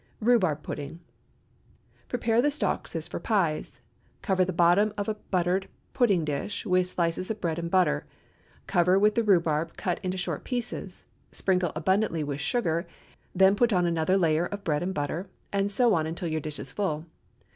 RHUBARB PUDDING. Prepare the stalks as for pies; cover the bottom of a buttered pudding dish with slices of bread and butter; cover with the rhubarb cut into short pieces; sprinkle abundantly with sugar; then put on another layer of bread and butter, and so on until your dish is full.